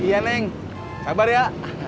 iya neng sabar ya